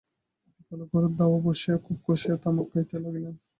একলা ঘরের দাওয়ায় বসিয়া খুব কষিয়া তামাক খাইতে লাগিলেন।